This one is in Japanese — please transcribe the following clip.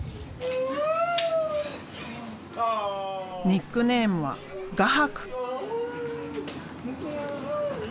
ニックネームは「画伯」！